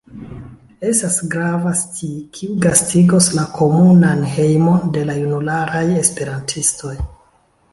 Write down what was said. Estas grava scii kiu gastigos la komunan hejmon de la junularaj esperantistoj